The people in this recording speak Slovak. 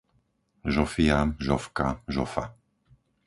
Žofia, Žofka, Žofa